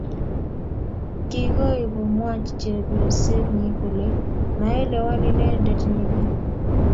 kikoi komwach chepyosenyi kole maelewan inendet nyikan